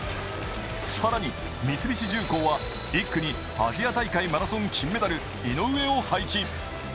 更に、三菱重工は１区にアジア大会マラソン金メダル・井上を配置。